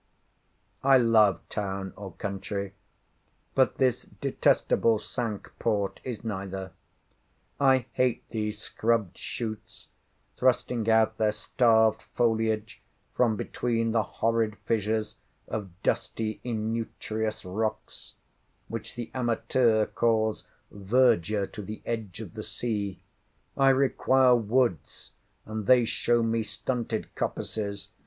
I love town, or country; but this detestable Cinque Port is neither. I hate these scrubbed shoots, thrusting out their starved foliage from between the horrid fissures of dusty innutritious rocks; which the amateur calls "verdure to the edge of the sea." I require woods, and they show me stunted coppices.